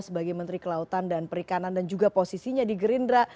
sebagai menteri kelautan dan perikanan dan juga posisinya di gerindra